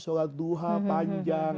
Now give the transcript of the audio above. sholat duha panjang